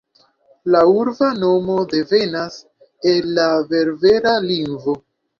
La urba nomo devenas el la berbera lingvo.